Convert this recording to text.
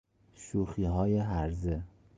شوخیهای هرزه